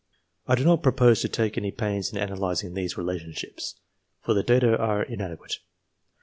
I do not propose to take any pains in analysing these relationships, for the data are inadequate.